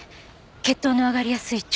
血糖の上がりやすい朝食後に。